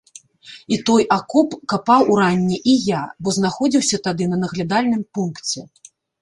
І той акоп капаў уранні і я, бо знаходзіўся тады на наглядальным пункце.